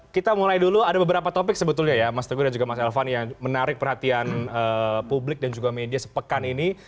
kita mulai dulu ada beberapa topik sebetulnya ya mas teguh dan juga mas elvan yang menarik perhatian publik dan juga media sepekan ini